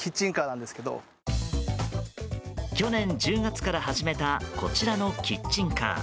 去年１０月から始めたこちらのキッチンカー。